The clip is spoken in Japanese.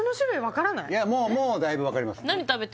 もうだいぶわかります